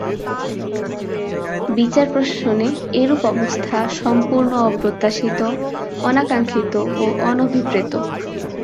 বিচার প্রশাসনে এরূপ অবস্থা সম্পূর্ণ অপ্রত্যাশিত, অনাকাঙ্ক্ষিত ও অনভিপ্রেত।